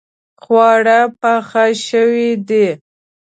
خواړه پاخه شوې دي